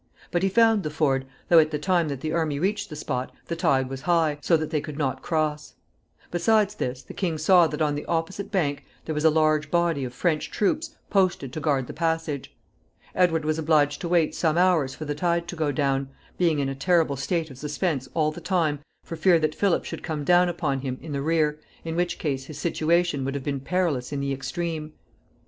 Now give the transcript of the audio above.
But he found the ford, though at the time that the army reached the spot the tide was high, so that they could not cross. Besides this, the king saw that on the opposite bank there was a large body of French troops posted to guard the passage. Edward was obliged to wait some hours for the tide to go down, being in a terrible state of suspense all the time for fear that Philip should come down upon him in the rear, in which case his situation would have been perilous in the extreme.